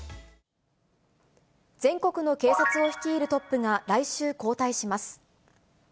全国の警察を率いるトップが来週、交代します。